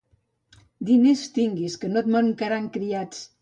Diners tinguis, que no et mancaran criats.